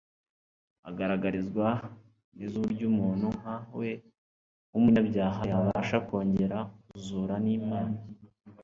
Agaragarizwa nezuburyumuntu nka we wumunyabyaha yabasha kwongera kuzura nlmana